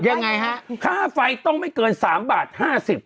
ยังไงฮะค่าไฟต้องไม่เกิน๓บาท๕๐นี่